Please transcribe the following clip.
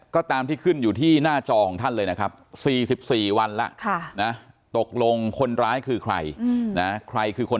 ก็ตามที่ขึ้นอยู่ที่หน้าจอของท่านเลยนะครับ